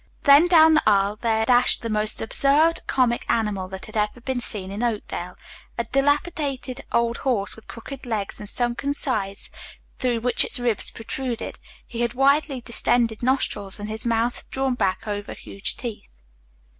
Then down the aisle there dashed the most absurd comic animal that had ever been seen in Oakdale. A dilapidated old horse, with crooked legs and sunken sides through which its ribs protruded. He had widely distended nostrils and his mouth drawn back over huge teeth.